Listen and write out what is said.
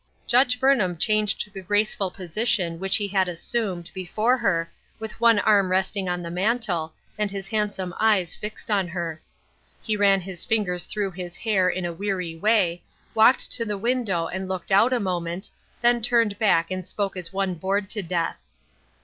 Judge Burnham changed the graceful position which he had assumed, before her, with one arm DRIFTING. 67 resting on the mantel, and his handsome eyes fixed on her. He ran his fingers through his hair in a weary way, walked to the window and looked out a moment, then turned back and spoke as one bored to death.